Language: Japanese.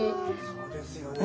そうですよね。